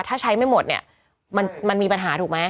ถ้าใช้ไม่หมดเนี่ยมันมีปัญหาถูกไหม